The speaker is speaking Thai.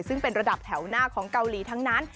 ซึ่งเป็นระดับแถวหน้าของเกาหลีทั้งนั้น